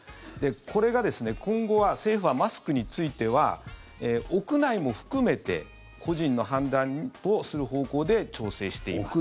これが今後は政府は、マスクについては屋内も含めて個人の判断とする方向で調整しています。